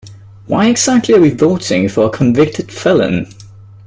Why exactly are we voting for a convicted felon?